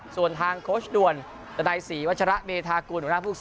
ส่วนทางโคชด่วนดนตราย๔วัชระเบทากลุ่นของด้านภูกษร